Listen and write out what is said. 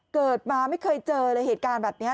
เกิดมาไม่เคยเจอเลยเหตุการณ์แบบนี้